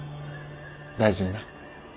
大事にな。